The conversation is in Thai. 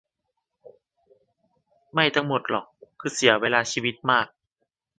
ไม่ทั้งหมดหรอก คือเสียเวลาชีวิตมาก